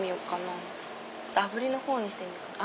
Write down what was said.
あぶりのほうにしてみよう。